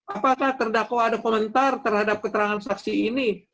apakah terdakwa ada komentar terhadap keterangan saksi ini